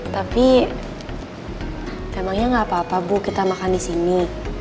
tapi emangnya gak apa apa bu kita makan disini